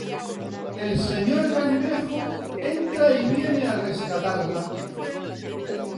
El Señor Cangrejo entra y viene a rescatarla.